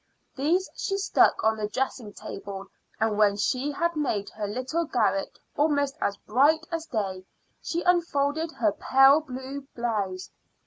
These she stuck on the dressing table, and when she had made her little garret almost as bright as day she unfolded her pale blue blouse.